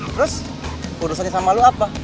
terus kudusannya sama lo apa